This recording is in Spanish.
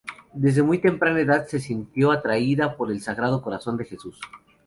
Desde muy temprana edad se sintió atraída por el Sagrado Corazón de Jesús.